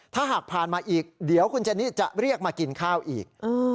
ถ้าหากผ่านมาอีกเดี๋ยวคุณเจนี่จะเรียกมากินข้าวอีก